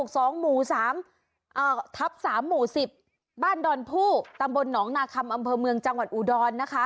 ถอดถ้ำสามหมูสิบบ้านบอห์นผู่ตำบนนำหร้องนากรรมอำเมืองจังหวัดอูดอนนะคะ